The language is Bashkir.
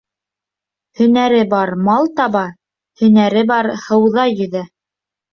Һөнәре бар мал таба. Һөнәре бар һыуҙа йөҙә.